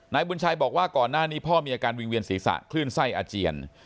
บุญชัยบอกว่าก่อนหน้านี้พ่อมีอาการวิ่งเวียนศีรษะคลื่นไส้อาเจียน